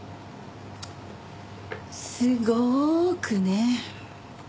すごくね。